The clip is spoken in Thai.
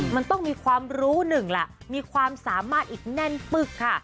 มันต้องมีความรู้หนึ่งแหละมีความสามารถอีกแน่นปึ๊กค่ะ